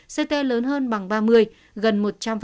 ct lớn hơn bằng ba mươi gần một trăm linh